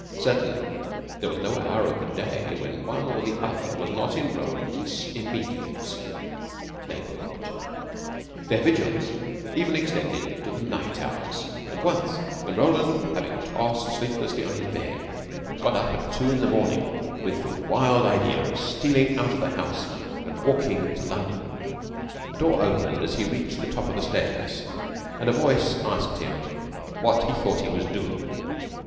Certainly there was no hour of the day when one or the other was not in Roland's immediate neighborhood. Their vigilance even extended to the night hours, and once, when Roland, having tossed sleeplessly on his bed, got up at two in the morning, with the wild idea of stealing out of the house and walking to London, a door opened as he reached the top of the stairs, and a voice asked him what he thought he was doing.